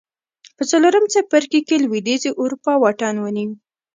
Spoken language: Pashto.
په څلورم څپرکي کې لوېدیځې اروپا واټن ونیو